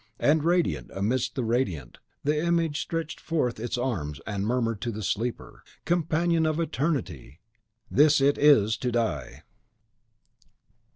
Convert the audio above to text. And radiant amidst the radiant, the IMAGE stretched forth its arms, and murmured to the sleeper: "Companion of Eternity! THIS it is to die!"